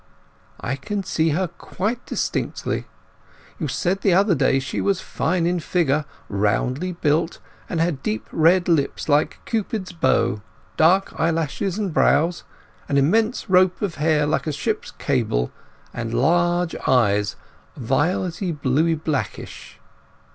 "I can see her quite distinctly. You said the other day that she was fine in figure; roundly built; had deep red lips like Cupid's bow; dark eyelashes and brows, an immense rope of hair like a ship's cable; and large eyes violety bluey blackish."